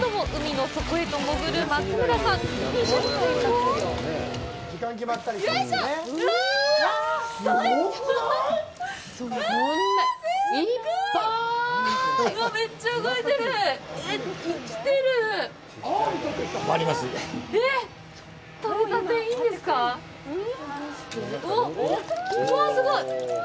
うわっ、すごい。